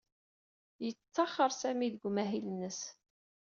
Yettaxer Sami seg umahil-nnes.